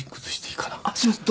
あっすいません